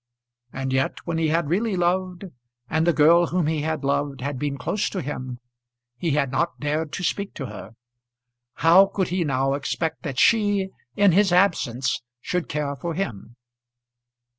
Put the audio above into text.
And yet when he had really loved, and the girl whom he had loved had been close to him, he had not dared to speak to her! How could he now expect that she, in his absence, should care for him?